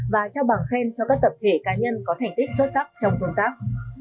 và trao bằng khen cho các tập thể cá nhân có thành tích xuất sắc trong công tác